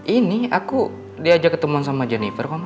ini aku diajak ketemuan sama jennifer